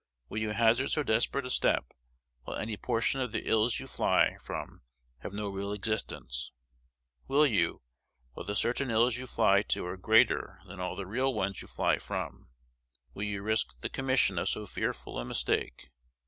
Will you hazard so desperate a step, while any portion of the ills you fly from have no real existence? Will you, while the certain ills you fly to are greater than all the real ones you fly from? Will you risk the commission of so fearful a mistake?